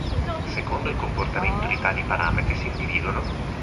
Secondo il comportamento di tali parametri si individuano